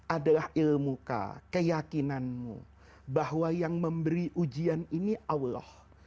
adalah ilmuka keyakinanmu bahwa yang memberi ujian ini allah